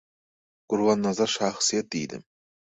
«Gurbannazar şahsyýet» diýdim.